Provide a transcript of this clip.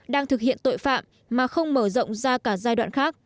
đang thực hiện tội phạm mà không mở rộng ra cả giai đoạn khác